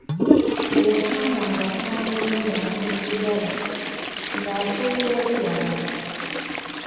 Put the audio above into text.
Bwe yasanga nga mukwano gwe anywa sigala, nga atuula eri wala!